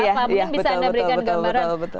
pak mungkin bisa anda berikan gambaran